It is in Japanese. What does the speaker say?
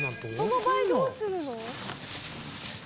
その場合どうするの？